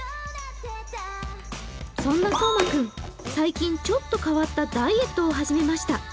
そんなそうま君、最近ちょっと代わったダイエットを始めました。